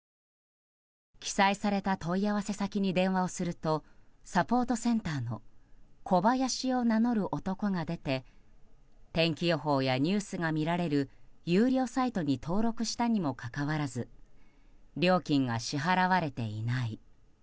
記載された問い合わせ先に電話をするとサポートセンターのコバヤシを名乗る男が出て天気予報やニュースが見られる有料サイトに登録したにもかかわらず料金が支払われていない。